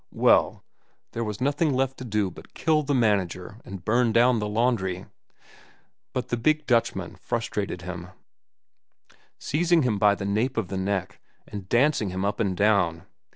Well, there was nothing left to do but kill the manager and burn down the laundry. But the big Dutchman frustrated him, seizing him by the nape of the neck and dancing him up and down.